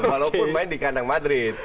walaupun main di kandang madrid